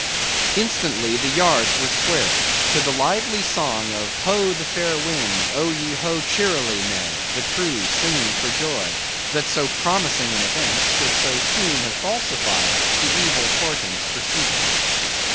Instantly the yards were squared, to the lively song of "Ho! the fair wind! oh ye ho, cheerly men!" the crew singing for joy, that so promising an event should so soon have falsified the evil portents preceding it.